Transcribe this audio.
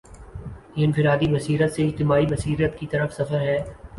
یہ انفرادی بصیرت سے اجتماعی بصیرت کی طرف سفر ہے۔